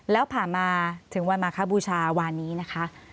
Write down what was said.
แล้วผ่านมาถึงวันมาคบูชาวานนี้นะคะ